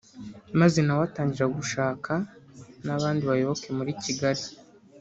Maze nawe atangira gushaka n’abandi bayoboke muri Kigali